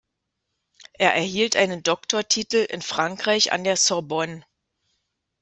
Er erhielt einen Doktortitel in Frankreich an der Sorbonne.